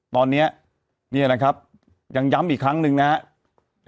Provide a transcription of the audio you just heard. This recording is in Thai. ตอนนี้เนี่ยนะครับยังย้ำอีกครั้งหนึ่งนะครับ